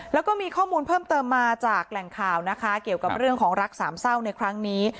แล้วก็มีข้อมูลเพิ่มเติมมาจากแหล่งข่าวนะคะเกี่ยวกับเรื่องของรักสามเศร้าในครั้งนี้